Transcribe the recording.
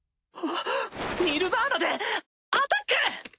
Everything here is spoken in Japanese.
ニルヴァーナでアタック！